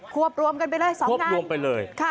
ควบรวมกันไปเลยสองงาน